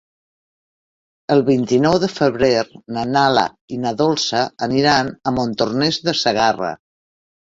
El vint-i-nou de febrer na Lara i na Dolça aniran a Montornès de Segarra.